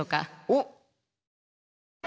おっ！